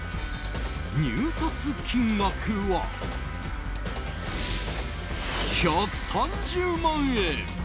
入札金額は、１３０万円。